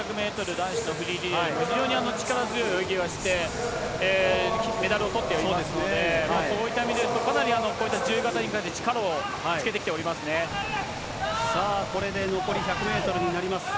男子のフリーリレーで、非常に力強い泳ぎをして、メダルをとってはいますので、そういった意味でいうと、かなりこういった自由形に力をつけてきておりますね。